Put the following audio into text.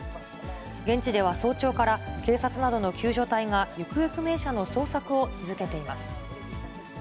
現地では早朝から、警察などの救助隊が行方不明者の捜索を続けています。